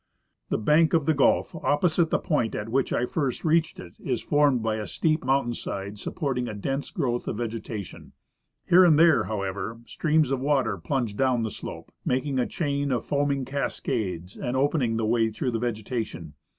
The bank of the gulf ojiposite the point at which I first reached it is formed by a steep mouiitain side supporting a dense growth of vegetation. Here and there, however, streams of water plunge down the slope, making a chain of foaming cascades, and open ing the way through the vegetation.